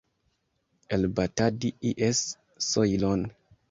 Elbatadi ies sojlon.